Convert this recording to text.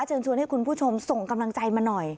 เชิญชวนให้คุณผู้ชมส่งกำลังใจมาหน่อย